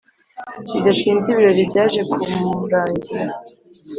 bidatinze ibirori byaje kurangira